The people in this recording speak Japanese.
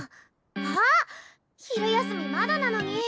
あっ昼休みまだなのに。